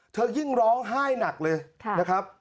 ยิ่งร้องไห้หนักเลยนะครับ